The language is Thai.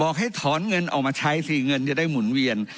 ให้ถอนเงินออกมาใช้สิเงินจะได้หมุนเวียน